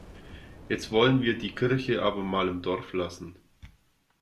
Jetzt wollen wir die Kirche aber mal im Dorf lassen.